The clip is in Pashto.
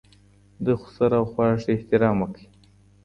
د خسر او خواښې احترام وکړئ.